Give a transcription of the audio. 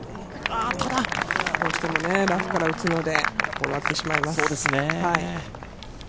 ただどうしてもラフから打つので、こうなってしまいます。